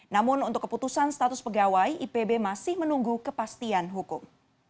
namun untuk keputusan status pegawai ipb masih menunggu kepastian hukum